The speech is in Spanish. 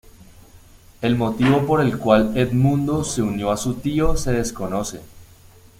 El motivo por el cual Edmundo se unió a su tío se desconoce.